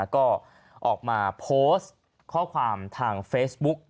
ก็ออกมาโพสต์ข้อความทางเฟซบุ๊ก